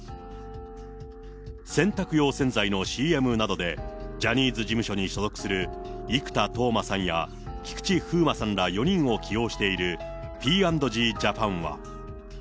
洗濯用洗剤のＣＭなどで、ジャニーズ事務所に所属する生田斗真さんや菊池風磨さんら４人を起用している、Ｐ＆Ｇジャパンは。